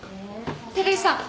照井さん。